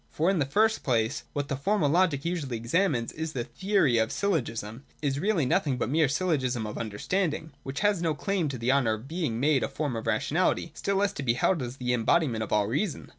For, in the first place, what the Formal Logic usually examines in its theory of syllogism, is really nothing but the mere syllogism of understanding, which has no claim to the honour of being made a form of rationality, still less to be held as the em bodiment of all reason.